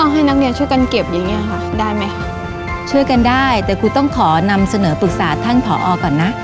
หนูก็นำเสนอปรึกษาท่านผอก่อนนะ